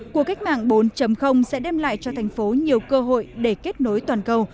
cuộc cách mạng bốn sẽ đem lại cho thành phố nhiều cơ hội để kết nối toàn cầu